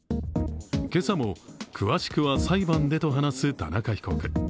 けさも、詳しくは裁判でと話す田中被告。